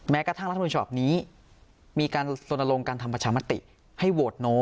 แม้กระทั่งรัฐมนิวชาวนี้มีการส่วนลงการทำประชามติให้โหวตโน